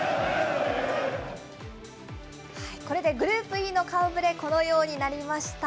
これでグループＥの顔ぶれ、このようになりました。